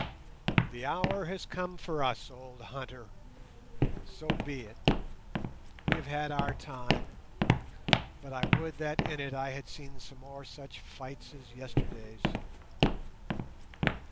The hour has come for us, old hunter. So be it: we have had our time, but I would that in it I had seen some more such fights as yesterday's.